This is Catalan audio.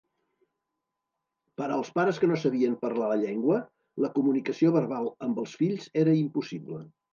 Per als pares que no sabien parlar la llengua, la comunicació verbal amb els fills era impossible.